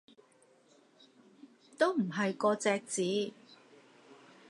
都唔係嗰隻字